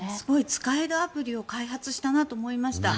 使えるアプリを開発したなと思いました。